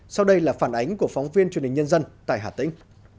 sau đây là phản ánh của phóng viên truyền hình nhân dân tại hà tĩnh